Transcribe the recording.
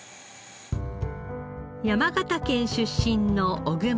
山形県出身の小熊さん。